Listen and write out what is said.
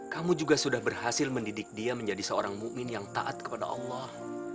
kamu juga sudah berhasil mendidik dia menjadi seorang mu'min yang taat kepada allah